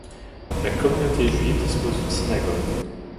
La communauté juive dispose d'une synagogue.